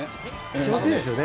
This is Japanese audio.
気持ちいいですよね。